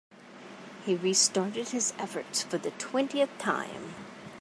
He restarted his efforts for the twentieth time.